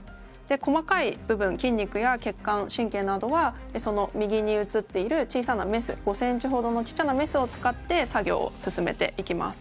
細かい部分筋肉や血管神経などはその右にうつっている小さなメス５ｃｍほどのちっちゃなメスを使って作業を進めていきます。